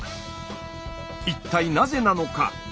一体なぜなのか？